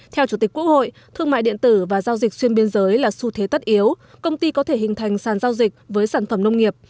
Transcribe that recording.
theo chủ tịch quốc hội thương mại điện tử và giao dịch xuyên biên giới là xu thế tất yếu công ty có thể hình thành sàn giao dịch với sản phẩm nông nghiệp